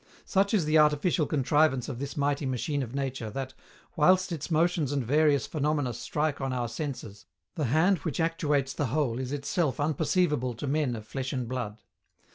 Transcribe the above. Such is the artificial contrivance of this mighty machine of nature that, whilst its motions and various phenomena strike on our senses, the hand which actuates the whole is itself unperceivable to men of flesh and blood.